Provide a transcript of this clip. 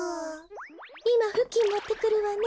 いまふきんもってくるわね。